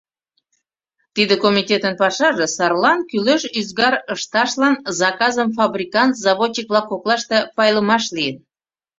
Тиде комитетын пашаже сарлан кӱлеш ӱзгар ышташлан заказым фабрикант-заводчик-влак коклаште пайлымаш лийын...